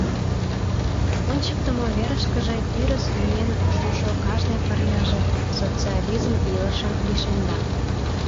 Ончыктымо верышкыже тӱрыс миен шушо кажне пырняже социализм илышым лишемда.